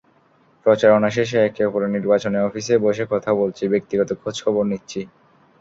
প্রচারণা শেষে একে অপরের নির্বাচনী অফিসে বসে কথা বলছি, ব্যক্তিগত খোঁজখবর নিচ্ছি।